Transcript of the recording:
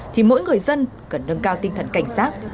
thì mỗi người dân cần nâng cao tinh thần cảnh giác